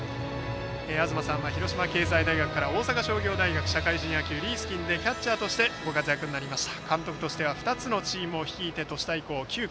東さんは広島経済大学から大阪商業大学社会人野球、リースキンでキャッチャーとしてご活躍になりました。